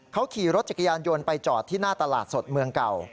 เขาขี่รถจักรยานยนต์ไปจอดที่หน้าตลาดสดเมืองเก่า